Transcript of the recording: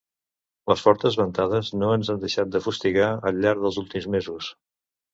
Les fortes ventades no ens han deixat de fustigar al llarg dels últims mesos.